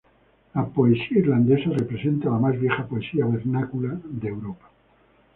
La poesía irlandesa representa la más vieja poesía vernácula en Europa.